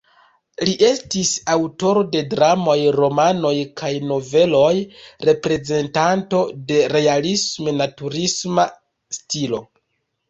Li estis aŭtoro de dramoj, romanoj kaj noveloj, reprezentanto de realisme-naturalisma stilo.